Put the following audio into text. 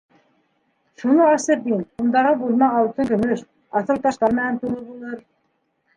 Шуны асып ин, ундағы бүлмә алтын-көмөш, аҫыл таштар менән тулы булыр.